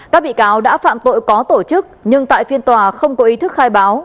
các bị cáo đã phạm tội có tổ chức nhưng tại phiên tòa không có ý thức khai báo